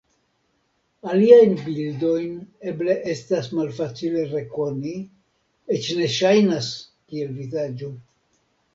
Aliajn bildojn eble estas malfacile rekoni, eĉ ne ŝajnas kiel vizaĝo.